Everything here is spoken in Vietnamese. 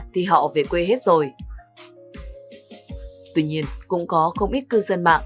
tuy nhiên cũng có không ít cư dân mạng